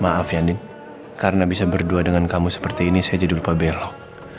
maaf yandi karena bisa berdua dengan kamu seperti ini saya jadi lupa belok